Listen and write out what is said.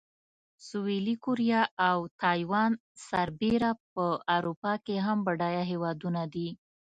سویلي کوریا او تایوان سربېره په اروپا کې هم بډایه هېوادونه دي.